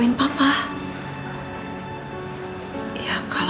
kita pani satu segala